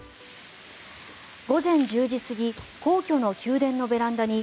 午前１０時過ぎ皇居の宮殿のベランダに